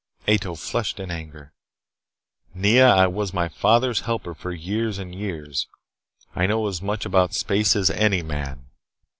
Ato flushed in anger. "Nea, I was my father's helper for years and years. I know as much about space as any man."